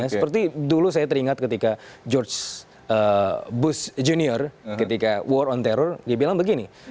seperti dulu saya teringat ketika george bush junior ketika war on terror dia bilang begini